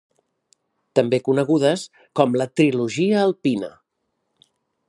També conegudes com la Trilogia alpina.